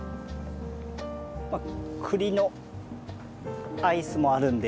まあ栗のアイスもあるんで。